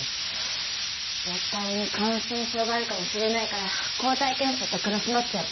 母体に感染症があるかもしれないから抗体検査とクロスマッチやって。